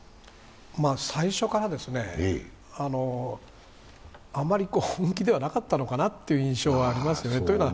最初からあまり本気ではなかったのかなと思っちゃいますよね。